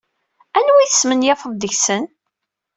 Anwa ay tesmenyafeḍ deg-sen?